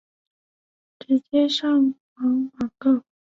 我直接上网网购